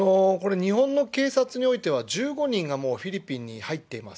日本の警察においては１５人がフィリピンに入っています。